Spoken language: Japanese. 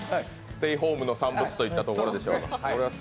ステイホームの産物といったところでしょうか。